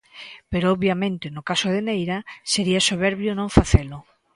Pero obviamente no caso de Neira sería soberbio non facelo.